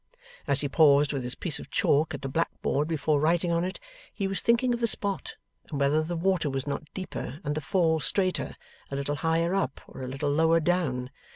As he paused with his piece of chalk at the black board before writing on it, he was thinking of the spot, and whether the water was not deeper and the fall straighter, a little higher up, or a little lower down.